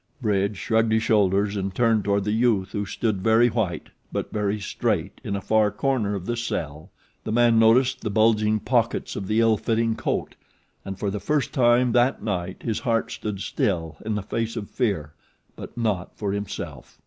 Bridge shrugged his shoulders and turned toward the youth who stood very white but very straight in a far corner of the cell. The man noticed the bulging pockets of the ill fitting coat; and, for the first time that night, his heart stood still in the face of fear; but not for himself.